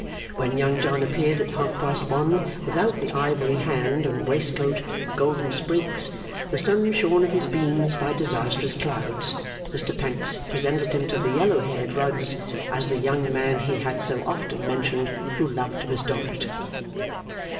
When Young John appeared at half past one without the ivory hand and waistcoat of golden sprigs, the sun shorn of his beams by disastrous clouds, Mr Pancks presented him to the yellow haired Ruggs as the young man he had so often mentioned who loved Miss Dorrit.